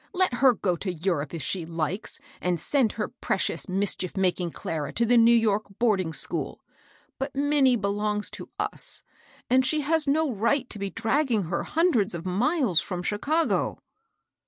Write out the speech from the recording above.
Let her go to Enrope, if she likes, and send her precious, mischief making Clara to the New York boarding school ; but Minnie belongs to U8^ and she has no right to be dragging her hundreds of miles from Chicago.